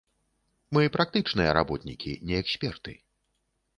Мы практычныя работнікі, не эксперты.